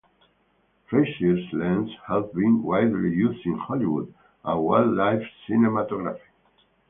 Frazier's lenses have been widely used in Hollywood and wildlife cinematography.